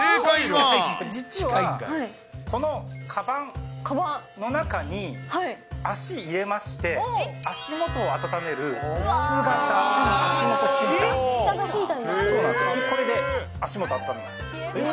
実は、このかばんの中に足を入れまして、足元を温める薄型足元ヒーターなんです。